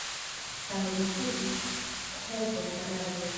Same rifuzis helpon Kanado.